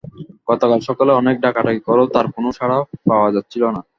গতকাল সকালে অনেক ডাকাডাকি করেও তার কোনো সাড়া পাওয়া যাচ্ছিল না।